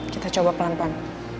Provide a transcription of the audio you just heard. kita coba pelan pelan